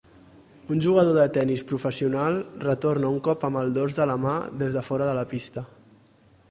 Un jugador de tenis professional retorna un cop amb el dors de la mà des de fora de la pista.